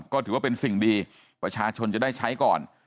ก็ถือว่าเป็นสิ่งดีประชาชนจะได้ใช้ก่อน